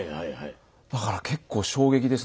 だから結構衝撃です。